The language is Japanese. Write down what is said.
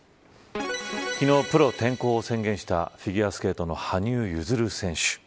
昨日、プロ転向を宣言したフィギュアスケートの羽生結弦選手。